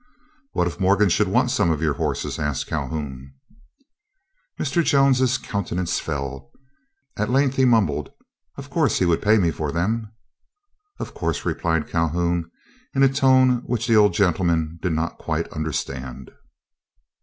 "What if Morgan should want some of your horses?" asked Calhoun. Mr. Jones's countenance fell. At length he mumbled, "Of course he would pay me for them?" "Of course," replied Calhoun, in a tone which the old gentleman did not quite understand.